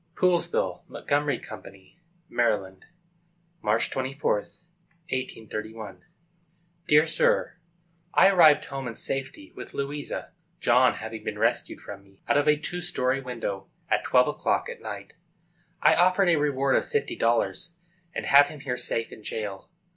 Poolsville, Montgomery Co., Md., March 24, 1831. DEAR SIR: I arrived home in safety with Louisa, John having been rescued from me, out of a two story window, at twelve o'clock at night. I offered a reward of fifty dollars, and have him here safe in jail.